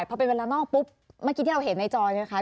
เพราะเป็นเวลานอกปุ๊บเมื่อกี้ที่เราเห็นในจอยนะคะ